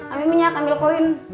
ambil minyak ambil koin